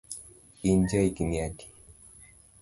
In ja igni adi?